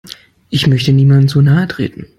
Ich möchte niemandem zu nahe treten.